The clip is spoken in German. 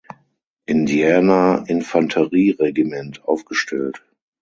Indiana Infanterieregiment aufgestellt.